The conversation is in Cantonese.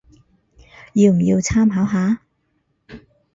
要唔要參考下